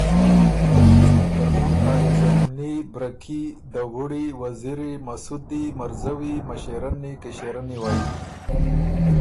”ترمُن ا عزتمني بره کي، دَوُړی، وزیری، مسُودی، مرزوّی، مݭېرنی، کِݭېرنی وئ!